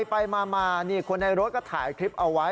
ไปมาคนในรถก็ถ่ายคลิปเอาไว้